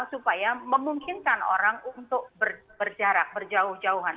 supaya memungkinkan orang untuk berjarak berjauh jauhan